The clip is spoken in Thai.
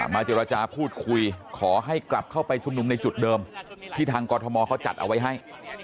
เจรจาพูดคุยขอให้กลับเข้าไปชุมนุมในจุดเดิมที่ทางกรทมเขาจัดเอาไว้ให้